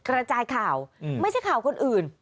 กระจายข่าวไม่ใช่ข่าวคนอื่น